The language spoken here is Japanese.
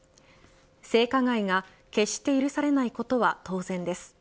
性加害が決して許されないことは当然です。